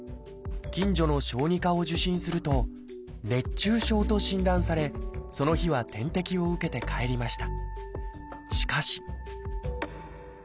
近所の小児科を受診すると「熱中症」と診断されその日は点滴を受けて帰りました。